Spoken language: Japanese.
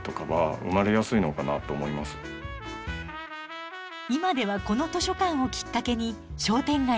今ではこの図書館をきっかけに商店街が活気づいています。